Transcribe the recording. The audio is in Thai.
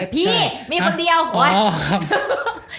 พี่มีคนเดียวโอ๊ย